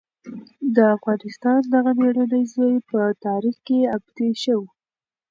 د افغانستان دغه مېړنی زوی په تاریخ کې ابدي شو.